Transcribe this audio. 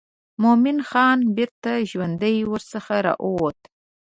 مومن خان بیرته ژوندی ورڅخه راووت.